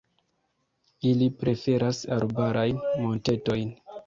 Ili preferas arbarajn montetojn.